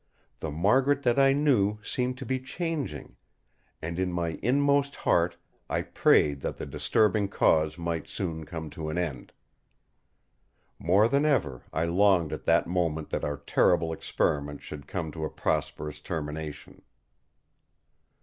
The Margaret that I knew seemed to be changing; and in my inmost heart I prayed that the disturbing cause might soon come to an end. More than ever I longed at that moment that our terrible Experiment should come to a prosperous termination.